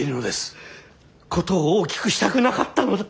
事を大きくしたくなかったのだ。